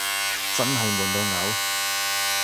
真係悶到嘔